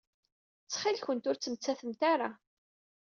Ttxil-kent ur ttmettatemt ara.